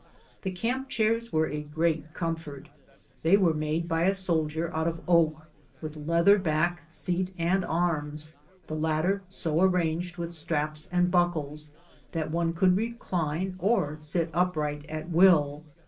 The camp chairs were a great comfort: they were made by a soldier out of oak, with leather back, seat and arms, the latter so arranged with straps and buckles that one could recline or sit upright at will.